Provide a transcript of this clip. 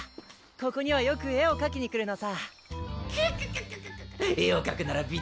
ここにはよく絵をかきに来るのさ